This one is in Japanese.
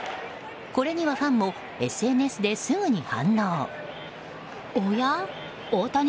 これにはファンもＳＮＳですぐに反応。